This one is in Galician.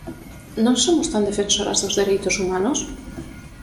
¿Non somos tan defensoras dos dereitos humanos?